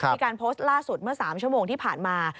มีการโพสต์ล่าสุดเมื่อ๓ชั่วโมงที่ผ่านมา